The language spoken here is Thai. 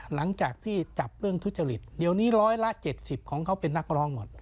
หลังจากที่จับเรื่องทุจริตเดี๋ยวนี้ร้อยละ๗๐ของเขาเป็นนักร้องหมด